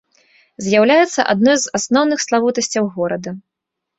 З'яўляецца адной з асноўных славутасцяў горада.